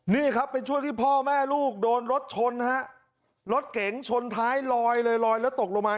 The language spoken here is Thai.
นี่ครับเป็นช่วงที่พ่อแม่ลูกโดนรถชนฮะรถเก๋งชนท้ายลอยเลยลอยแล้วตกลงมา